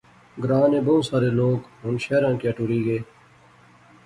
گراں نے بہوں سارے لوک ہُن شہراں کیا ٹُری غئے